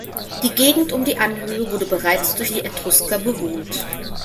Die Gegend um die Anhöhe wurde bereits durch die Etrusker bewohnt.